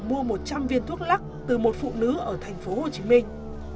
mua một trăm linh viên thuốc lắc từ một phụ nữ ở thành phố hồ chí minh